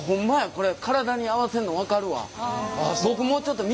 これ体に合わせんの分かるわ。